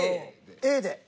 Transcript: Ａで。